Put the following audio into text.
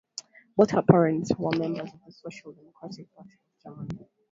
Both her parents were members of the Social Democratic Party of Germany.